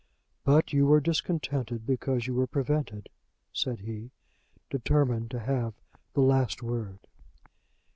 "But you were discontented because you were prevented," said he, determined to have the last word.